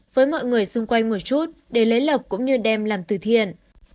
với mọi người xung quanh một chút để lấy lọc cũng như đem làm từ thiện